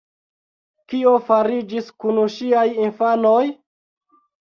Kio fariĝis kun ŝiaj infanoj?